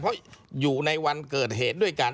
เพราะอยู่ในวันเกิดเหตุด้วยกัน